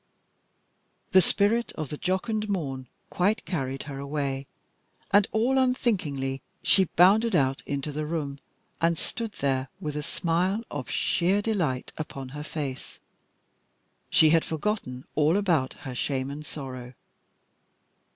The spirit of the jocund morn quite carried her away, and all unthinkingly she bounded out into the room and, stood there with a smile of sheer delight upon her face. She had forgotten all about her shame and sorrow.